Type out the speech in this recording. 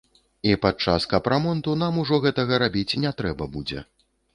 І падчас капрамонту нам ужо гэтага рабіць не трэба будзе.